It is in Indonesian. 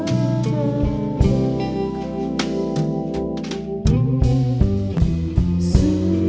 sudah menjaga diriku